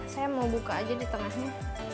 saya mau buka aja di tengahnya